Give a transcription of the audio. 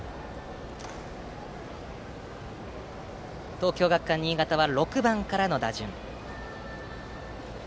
東京学館新潟は６番からの打順。